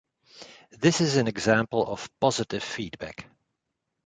This is an example of positive feedback.